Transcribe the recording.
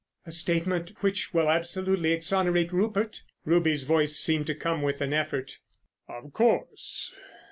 "A statement which will absolutely exonerate Rupert?" Ruby's voice seemed to come with an effort. "Of course."